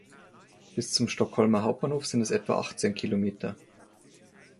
Bis zum Stockholmer Hauptbahnhof sind es etwa achtzehn Kilometer.